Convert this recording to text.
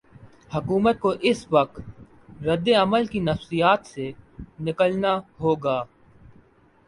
حکومت کو اس وقت رد عمل کی نفسیات سے نکلنا ہو گا۔